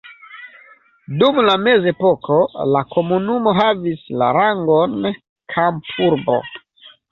Dum la mezepoko la komunumo havis la rangon kampurbo.